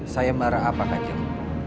saya barah apa kanjeng